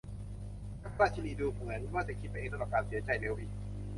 และพระราชินีดูเหมือนว่าจะคิดไปเองสำหรับการเสียใจ เร็วอีก !